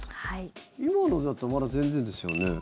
今のは、だってまだ全然ですよね。